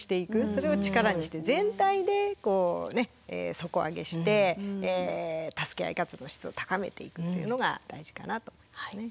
それを力にして全体で底上げして助け合い活動の質を高めていくというのが大事かなと思いますね。